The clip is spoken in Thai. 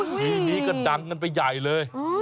ทีนี้ก็ดังกันไปใหญ่เลย